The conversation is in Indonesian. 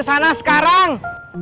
explain présana sekarang